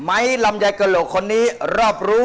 ลำไยกระโหลกคนนี้รอบรู้